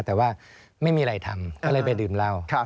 แต่ว่าไม่มีอะไรทำก็เลยไปดื่มเหล้า